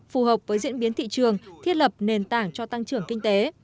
phù hợp với diễn biến thị trường thiết lập nền tảng cho tăng trưởng kinh tế